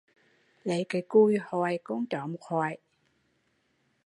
Lấy cái cùi hoại con chó một hoại